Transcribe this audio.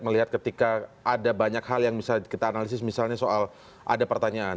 melihat ketika ada banyak hal yang bisa kita analisis misalnya soal ada pertanyaan